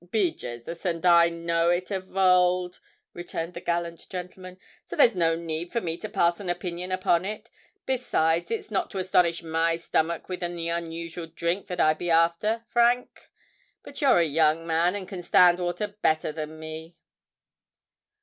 "Be Jasus! and I know it of ould," returned that gallant gentleman: "so there's no need for me to pass an opinion upon it. Besides it's not to astonish my stomach with any unusual dhrink that I'd be afther, Frank: but you're a young man, and can stand wather better than me."